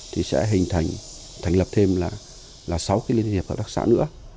thì sẽ hình thành thành lập thêm là sáu cái liên hiệp hợp tác xã nữa